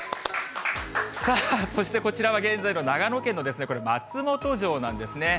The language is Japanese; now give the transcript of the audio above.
さあ、そしてこちらは現在の長野県のこれ、松本城なんですね。